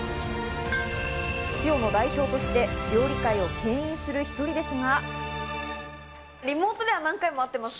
ｓｉｏの代表として料理界をけん引する１人ですが。